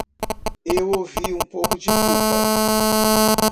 Eu ouvi um pouco de culpa